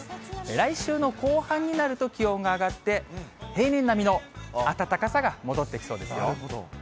来週の後半になると気温が上がって、平年並みの暖かさが戻ってきそうですよ。